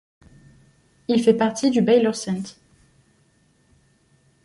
Il fait partie du Baylor St.